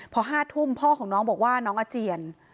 พอ๕ทุ่มพ่อของน้องบอกว่าน้องอาเจียน